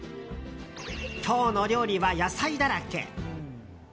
今日の料理は野菜だらけ。